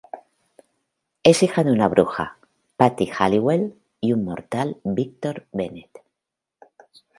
Es hija de una bruja, Patty Halliwell y un mortal, Victor Bennet.